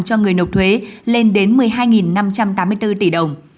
cho người nộp thuế lên đến một mươi hai năm trăm tám mươi bốn tỷ đồng